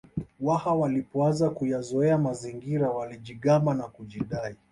Waha walipoanza kuyazoea mazingira walijigamba na kujidai